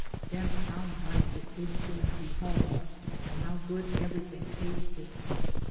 Then how nice it did seem to be home, and how good everything tasted.